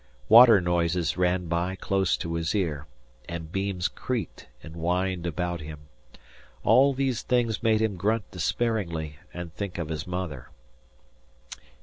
Water noises ran by close to his ear, and beams creaked and whined about him. All these things made him grunt despairingly and think of his mother.